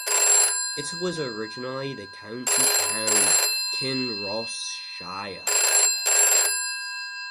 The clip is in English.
It was originally the county town of Kinross-shire.